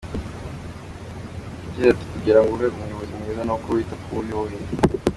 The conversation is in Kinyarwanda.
Yagize ati “Kugira ngo ube umuyobozi mwiza ni uko wita ku bo uyoboye.